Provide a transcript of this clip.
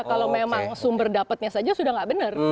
kalau memang sumber dapatnya saja sudah tidak benar